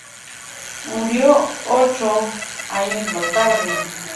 Murió ocho años más tarde.